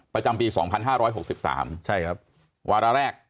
ประจำปี๒๕๖๓วัดละแรก